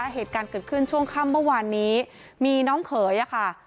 เหตุการณ์เกิดขึ้นช่วงค่ำเมื่อวานนี้มีน้องเขยค่ะ